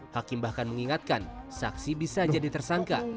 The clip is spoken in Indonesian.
hakim bahkan mengingatkan saksi bisa jadi tersangka